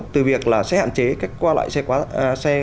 từ việc là xe hạn chế cách qua loại xe